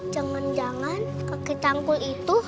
jangan jangan kaki cangkul itu